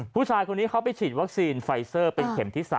ผู้ชายคนนี้เขาไปฉีดวัคซีนไฟเซอร์เป็นเข็มที่๓